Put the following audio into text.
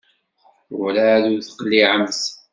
Werɛad ur teqliɛemt?